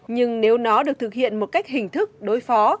nhưng nếu nó được thực hiện một cách hình thức đối phó